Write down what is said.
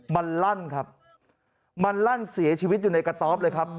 มันลั่นครับมันลั่นเสียชีวิตอยู่ในกระต๊อบเลยครับ